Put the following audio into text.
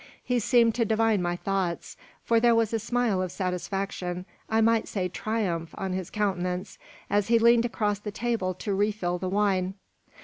He seemed to divine my thoughts; for there was a smile of satisfaction, I might say triumph, on his countenance, as he leaned across the table to refill the wine.